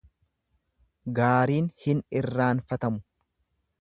Gaariin hin irraanfatamu.